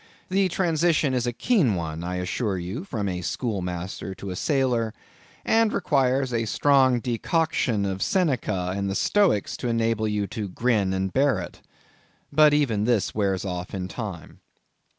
The transition is a keen one, I assure you, from a schoolmaster to a sailor, and requires a strong decoction of Seneca and the Stoics to enable you to grin and bear it. But even this wears off in time.